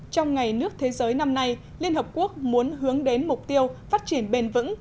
trong ngày nước thế giới năm nay liên hợp quốc muốn hướng đến mục tiêu phát triển bền vững